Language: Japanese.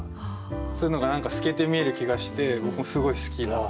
そういうのが何か透けて見える気がして僕もすごい好きな。